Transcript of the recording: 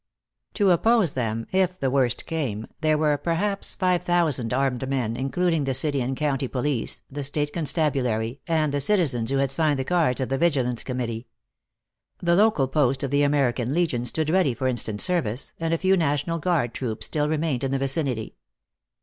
To oppose them, if the worst came, there were perhaps five thousand armed men, including the city and county police, the state constabulary, and the citizens who had signed the cards of the Vigilance Committee. The local post of the American Legion stood ready for instant service, and a few national guard troops still remained in the vicinity.